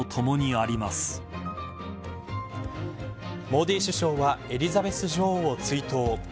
モディ首相はエリザベス女王を追悼。